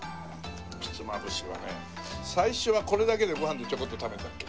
ひつまぶしはね最初はこれだけでご飯でちょこっと食べるんだっけ？